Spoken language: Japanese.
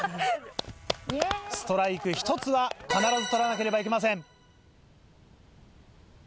ストライク１つは必ず取らなければいけません。